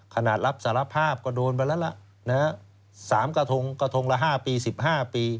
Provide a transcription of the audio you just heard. ขนาดรับสารภาพก็โดนไปแล้วล่ะ๓กระทงละ๕ปี๑๕ปี